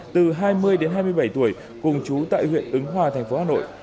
từ hai mươi đến hai mươi bảy tuổi cùng chú tại huyện ứng hòa tp hà nội